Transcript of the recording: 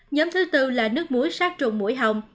nhóm thứ tư là nước muối sát trùng mũi hồng